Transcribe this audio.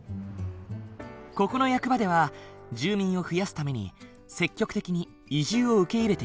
ここの役場では住民を増やすために積極的に移住を受け入れている。